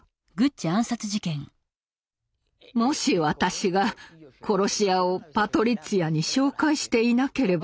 もし私が殺し屋をパトリッツィアに紹介していなければ。